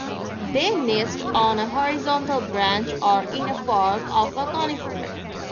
They nest on a horizontal branch or in a fork of a conifer.